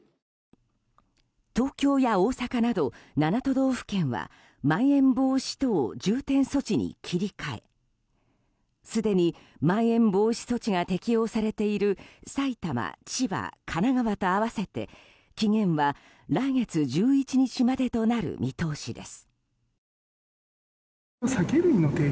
東京や大阪など７都道府県はまん延防止等重点措置に切り替えすでにまん延防止措置が適用されている埼玉、千葉、神奈川と合わせて期限は来月１１日までとなる見通しです。